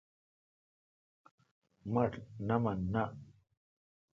مٹھ نہ من نا۔